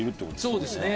そうですね。